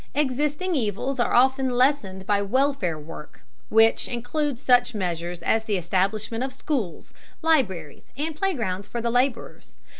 Existing evils are often lessened by welfare work, which includes such measures as the establishment of schools, libraries, and playgrounds for the laborers.